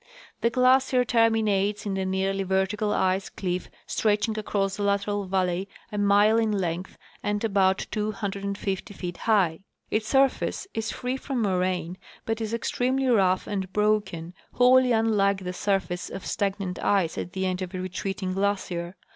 The glacier terminates in a nearly vertical ice cliff stretching across the lateral valley a mile in length and about 250 feet high. Its surface is free from moraine, but is extremely rough and broken, wholly unlike the surface of stagnant ice at the end of a retreating glacier.